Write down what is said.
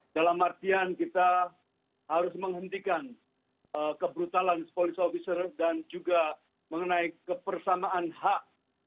dalam artian kita harus menghentikan kebrutalan polisi officer dan juga mengenai kepersamaan hak